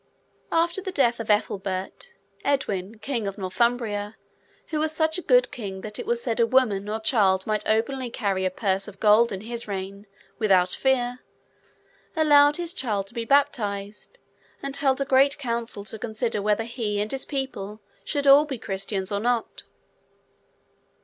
After the death of Ethelbert, Edwin, King of Northumbria, who was such a good king that it was said a woman or child might openly carry a purse of gold, in his reign, without fear, allowed his child to be baptised, and held a great council to consider whether he and his people should all be Christians or not.